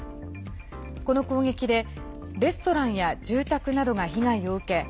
この攻撃で、レストランや住宅などが被害を受け